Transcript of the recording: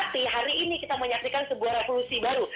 di hari ini kita menyaksikan sebuah revolusi baru